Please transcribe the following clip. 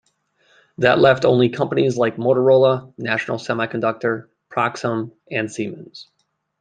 That left only companies like Motorola, National Semiconductor, Proxim, and Siemens.